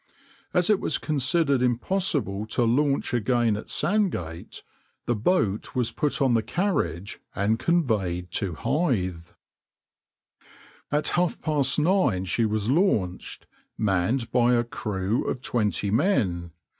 As it was considered impossible to launch again at Sandgate, the boat was put on the carriage and conveyed to Hythe.\par At half past nine she was launched, manned by a crew of twenty men.